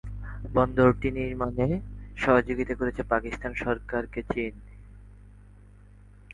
বন্দরটি নির্মাণে সহযোগিতা করছে পাকিস্তান সরকারকে চীন।